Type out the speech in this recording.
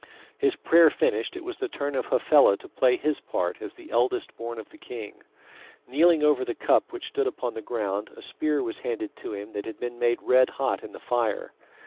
His prayer finished, it was the turn of Hafela to play his part as the eldest born of the king. Kneeling over the cup which stood upon the ground, a spear was handed to him that had been made red hot in the fire.